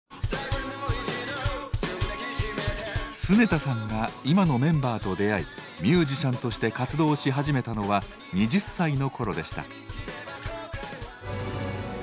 常田さんが今のメンバーと出会いミュージシャンとして活動し始めたのは２０歳の頃でした。